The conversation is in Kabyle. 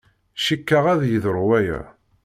Cikkeɣ ad yeḍru waya.